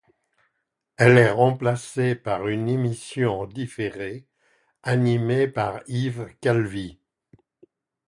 Elle est remplacée par une émission en différé animée par Yves Calvi.